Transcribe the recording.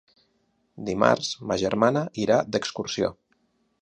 Dimarts ma germana irà d'excursió.